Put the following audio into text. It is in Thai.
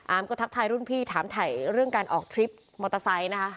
ก็ทักทายรุ่นพี่ถามถ่ายเรื่องการออกทริปมอเตอร์ไซค์นะคะ